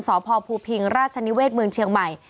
สพภูพิงราชนิเวศเมืองเชียงใหม่